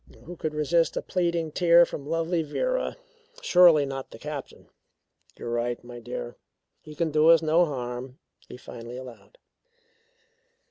Who could resist a pleading tear from lovely Vera? Surely not the Captain. "You are right, my dear. He can do us no harm," he finally allowed.